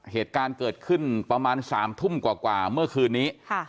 เหตุการณ์เกิดขึ้นประมาณ๓ทุ่มกว่าเมื่อคืนนี้